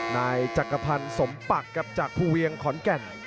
นายจักรพันธ์สมปักครับจากภูเวียงขอนแก่น